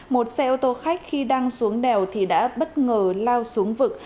một xe ô tô khách khi đang xuống đèo thì đã bất ngờ lao xuống vực